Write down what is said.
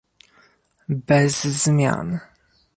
Bez zmian